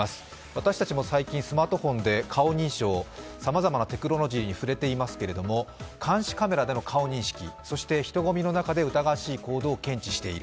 私たちも最近、スマートフォンで顔認証、さまざまなテクノロジーに触れていますけども監視カメラでの顔認識、そして人混みの中で疑わしい行動を監視している。